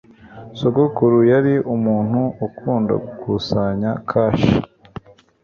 Sogokuru yari umuntu ukunda gukusanya kashe.